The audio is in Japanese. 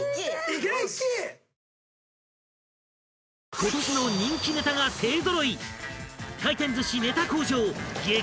［今年の人気ネタが勢揃い！］